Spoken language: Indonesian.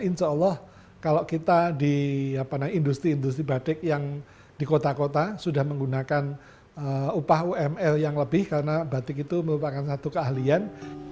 insya allah kalau kita di industri industri batik yang di kota kota sudah menggunakan upah umr yang lebih karena batik itu merupakan satu keahlian